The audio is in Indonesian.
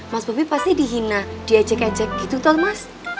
mas bobi pasti dihina diejek ejek gitu tuh mas